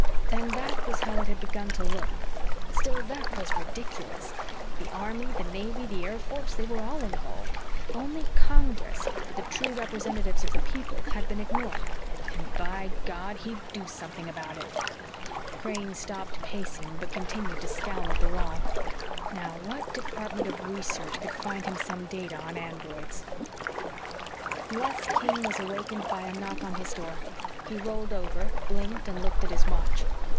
And that was how it had begun to look. Still, that was ridiculous. The Army, the Navy, the Air Force they were all involved. Only Congress the true representatives of the people had been ignored. And, by God, he'd do something about it! Crane stopped pacing but continued to scowl at the wall. Now, what department of research could find him some data on androids? Les King was awakened by a knock on his door. He rolled over, blinked and looked at his watch.